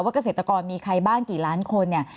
เกษตรกรมีใครบ้างกี่ล้านคนเนี่ย